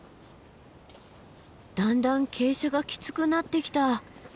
だんだん傾斜がきつくなってきた。